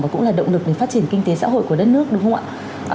và cũng là động lực để phát triển kinh tế xã hội của đất nước đúng không ạ